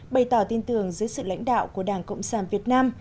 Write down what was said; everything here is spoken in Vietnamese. bày tỏ tin tưởng dưới sự lãnh đạo của đảng cộng sản việt nam